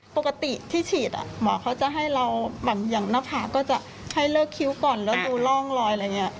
ปกติที่ฉีดหมอเขาจะให้เราแบบอย่างหน้าผากก็จะให้เลิกคิ้วก่อนแล้วดูร่องรอยอะไรอย่างนี้